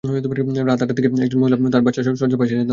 রাত আটটার দিকে একজন মহিলা তাঁর বাচ্চার শয্যার পাশে এসে দাঁড়ালেন।